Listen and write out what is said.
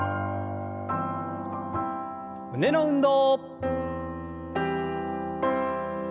胸の運動。